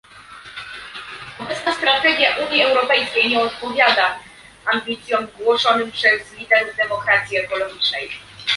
Obecna strategia Unii Europejskiej nie odpowiada ambicjom głoszonym przez liderów dyplomacji ekologicznej